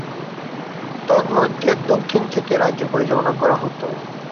তন্মধ্যে, দক্ষিণ থেকে রাজ্য পরিচালনা করা হতো।